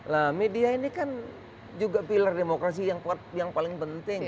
nah media ini kan juga pilar demokrasi yang paling penting